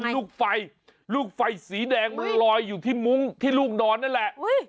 ลูกไฟลูกไฟสีแดงมันลอยอยู่ที่มุ้งที่ลูกนอนนั่นแหละ